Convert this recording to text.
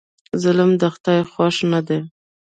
ظلم د خدای خوښ نه دی.